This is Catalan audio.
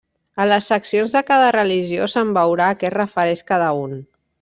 A les seccions de cada religió se'n veurà a què es refereix cada un.